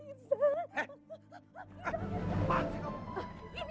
eh eh apaan sih kamu